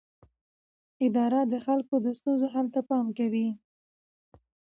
اداره د خلکو د ستونزو حل ته پام کوي.